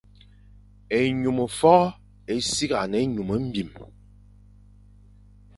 Ényum fôʼô é se kig a ne ényum mbim.